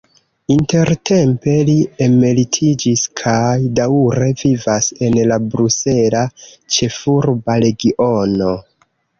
Intertempe li emeritiĝis kaj daŭre vivas en la Brusela Ĉefurba Regiono.